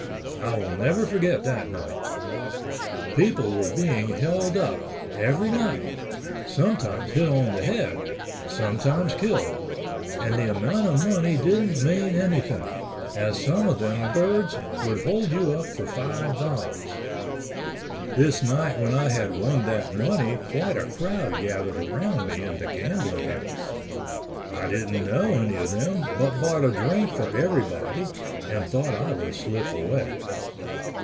I will never forget that night. People were being help up every night—sometimes hit on the head—sometimes killed, and the amount of money didn't mean anything, as some of them birds would hold you up for five dollars. This night when I had won that money quite a crowd gathered around me in the gambling house. I didn't know any of them but bought a drink for everybody and thought I would slip away.